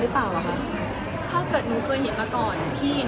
หรือเปล่านะครับถ้าเกิดเรามีเกินเห็นมาก่อนเกิดคง